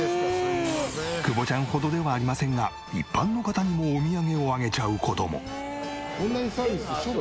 久保ちゃんほどではありませんが一般の方にもお土産をあげちゃう事も。